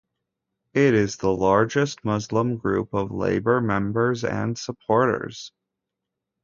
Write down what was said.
It is the largest Muslim group of Labour members and supporters.